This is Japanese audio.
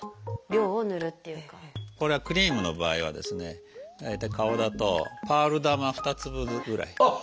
これはクリームの場合はですね大体顔だとパール玉２粒ぐらい。